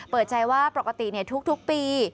เปิดใจว่าปกติทุกปี